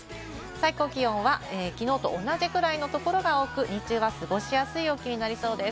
最高気温はきのうと同じぐらいのところが多く、日中は過ごしやすい陽気になりそうです。